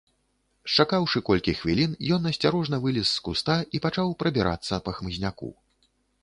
Счакаўшы колькі хвілін, ён асцярожна вылез з куста і пачаў прабірацца па хмызняку.